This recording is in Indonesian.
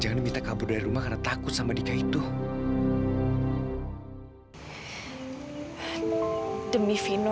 dengan mengagot kalau awak akan bawa bel hardie ke p elizabeth